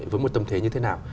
với một tâm thế như thế nào